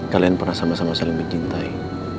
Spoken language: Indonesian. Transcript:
kalian pernah sama sama saling mencintai